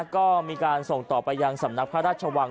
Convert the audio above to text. ก็มีการส่งต่อไปยังสำนักพระราชวัง